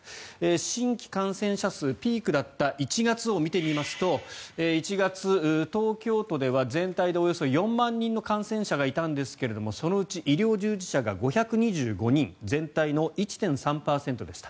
新規感染者数ピークだった１月を見てみると１月、東京都では全体でおよそ４万人の感染者がいたんですがそのうち医療従事者が５２５人全体の１．３％でした。